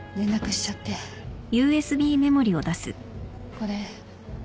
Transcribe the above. これ。